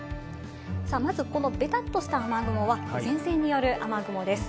まずこのベタッとした雨雲は前線による雨雲です。